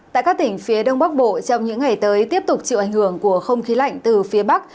tại các tỉnh phía đông bắc bộ trong những ngày tới tiếp tục chịu ảnh hưởng của không khí lạnh từ phía bắc